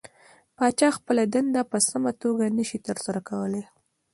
پاچا خپله دنده په سمه توګه نشي ترسره کولى .